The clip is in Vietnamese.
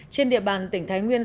trên địa bàn tỉnh thái nguyên